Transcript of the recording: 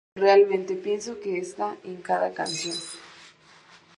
Dijo: "Realmente pienso que está en cada canción.